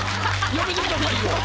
やめてくださいよ。